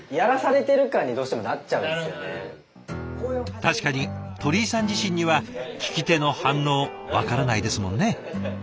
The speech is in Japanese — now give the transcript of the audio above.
確かに鳥居さん自身には聞き手の反応分からないですもんね。